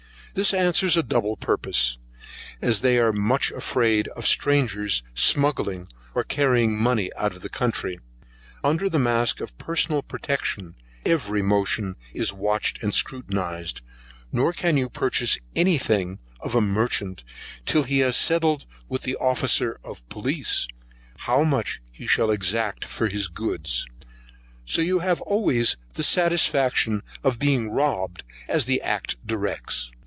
This answers a double purpose, as they are much afraid of strangers smuggling or carrying money out of the country, under the mask of personal protection, every motion is watched and scrutinized, nor can you purchase any thing of a merchant, till he has settled with the officer of the police how much he shall exact for his goods; so you have always the satisfaction of being rob'd as the act directs.